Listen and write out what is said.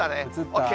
ＯＫ。